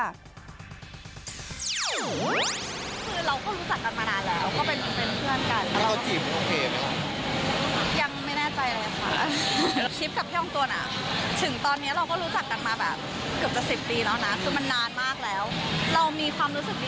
คือเราก็รู้จักกันมานานแล้วก็เป็นเพื่อนกัน